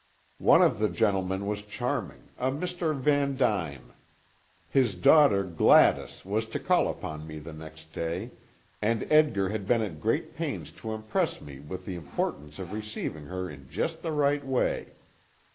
One of the gentlemen was charming, a Mr. Van Duyn. His daughter, Gladys, was to call upon me the next day, and Edgar had been at great pains to impress me with the importance of receiving her in just the right way.